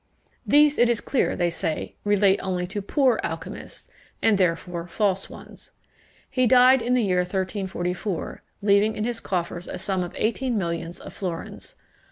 These, it is clear, they say, relate only to poor alchymists, and therefore false ones. He died in the year 1344, leaving in his coffers a sum of eighteen millions of florins.